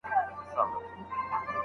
ورزش کول د ناروغیو په وړاندي دفاع کوي.